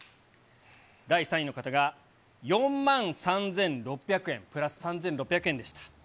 第３位の方が、４万３６００円プラス３６００円でした。